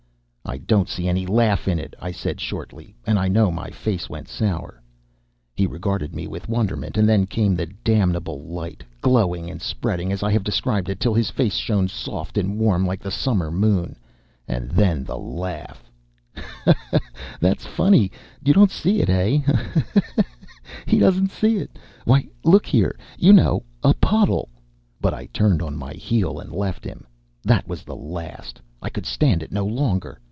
"I don't see any laugh in it," I said shortly, and I know my face went sour. He regarded me with wonderment, and then came the damnable light, glowing and spreading, as I have described it, till his face shone soft and warm, like the summer moon, and then the laugh—"Ha! ha! That's funny! You don't see it, eh? He! he! Ho! ho! ho! He doesn't see it! Why, look here. You know a puddle—" But I turned on my heel and left him. That was the last. I could stand it no longer.